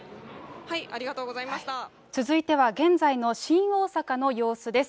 続いては現在の新大阪の様子です。